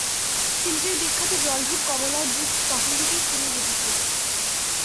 সিলেটের বিখ্যাত জলঢুপ কমলার যুগ তখন থেকেই ফুরিয়ে যেতে শুরু করে।